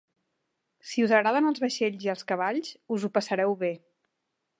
Si us agraden els vaixells i els cavalls, us ho passareu bé.